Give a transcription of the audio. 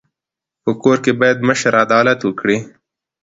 په کور کي بايد مشر عدالت وکړي.